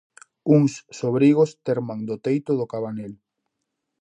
Uns sobrigos terman do teito do cabanel.